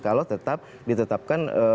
kalau tetap ditetapkan